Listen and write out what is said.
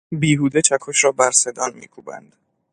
بیهوده چکش را بر سندان میکوبند.